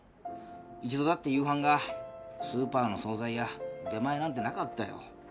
一度だって夕飯がスーパーの総菜や出前なんてなかったよ。